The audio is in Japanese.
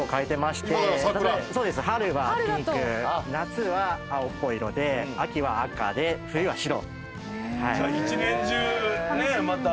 春はピンク夏は青っぽい色で秋は赤で冬は白。